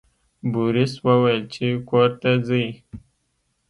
بوریس وویل چې کور ته ځئ.